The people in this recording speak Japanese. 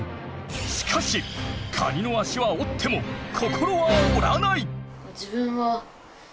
しかしカニの脚は折っても心は折らない！